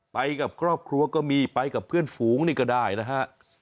ไปกับครอบครัวก็มีไปกับเพื่อนฝูงนี่ก็ได้นะฮะ